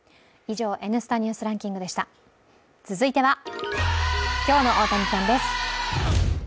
続いては、今日の大谷さんです。